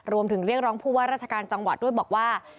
เรียกร้องผู้ว่าราชการจังหวัดด้วยบอกว่า